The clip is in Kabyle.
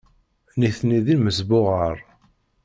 Nitni d inesbuɣar.